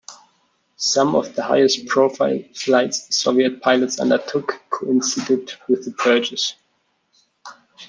Some of the highest-profile flights Soviet pilots undertook coincided with the purges.